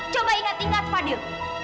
coba ingat ingat fadil